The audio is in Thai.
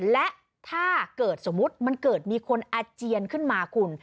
และถ้าเกิดสมมุติมันเกิดมีคนอาเจียนขึ้นมาคุณ